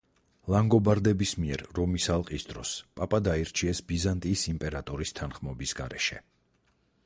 ლანგობარდების მიერ რომის ალყის დროს პაპად აირჩიეს ბიზანტიის იმპერატორის თანხმობის გარეშე.